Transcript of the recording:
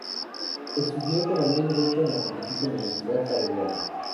Estudió economía y derecho en la Pontificia Universidad Javeriana.